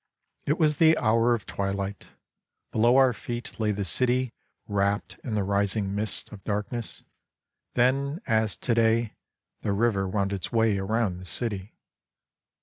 It was the hour of twilight ; below our feet lay the city wrapt in the rising mists of darkness, then as to day the river wound its way around the city.